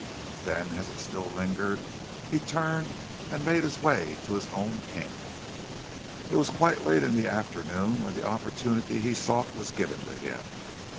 Then, as it still lingered, he turned and made his way to his own camp. It was quite late in the afternoon when the opportunity he sought was given to him.